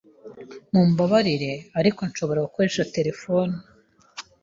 Mumbabarire, ariko nshobora gukoresha terefone?